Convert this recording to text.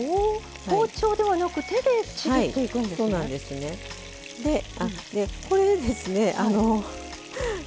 包丁ではなく手で、ちぎっていくんですね。